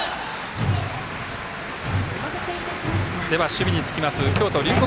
守備につきます京都・龍谷